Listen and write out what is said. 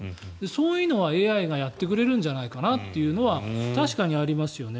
そういうのはＡＩがやってくれるんじゃないかなというのは確かにありますよね。